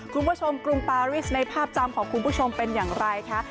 คุณผู้ชมกรุงปาริสในภาพธิกษ์จำของคุณผู้ชมเป็นอย่างไรค่ะ